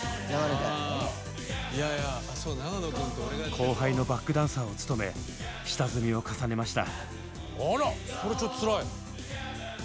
後輩のバックダンサーを務め下積みを重ねました。